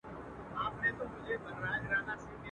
.اوښکو را اخیستي جنازې وي د بګړیو.